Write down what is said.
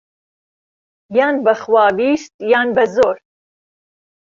یان به خوا ویست یان بە زۆر